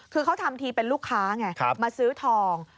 คือเขาทำทีเป็นลูกค้าไงมาซื้อทอง